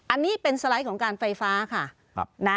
อันนี้เป็นสไลด์ของการไฟฟ้าค่ะ